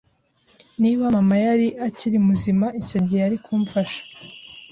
Niba mama yari akiri muzima, icyo gihe yari kumfasha.